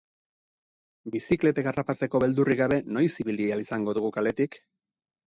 Bizikletek harrapatzeko beldurrik gabe noiz ibili ahal izango dugu kaletik?